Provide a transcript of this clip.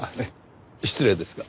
失礼ですが。